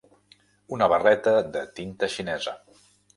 Una barreta de tinta xinesa.